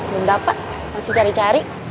belum dapat masih cari cari